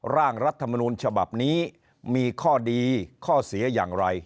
ร่างรัฐมนูลฉบับนี้มีข้อดีข้อเสียอย่างไร